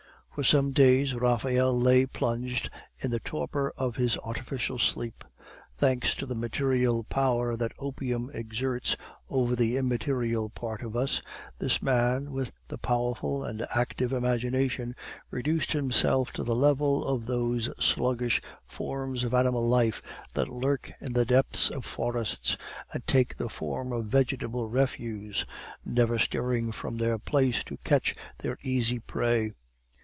For some days Raphael lay plunged in the torpor of this artificial sleep. Thanks to the material power that opium exerts over the immaterial part of us, this man with the powerful and active imagination reduced himself to the level of those sluggish forms of animal life that lurk in the depths of forests, and take the form of vegetable refuse, never stirring from their place to catch their easy prey.